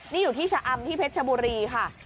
นี่อยู่ที่ชะอำที่เพชรชบุรีค่ะ